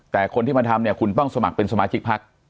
แต่คนที่มาทำเนี่ยคุณต้องสมัครเป็นสมาชิกพัก